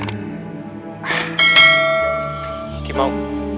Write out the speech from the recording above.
aku tidak mau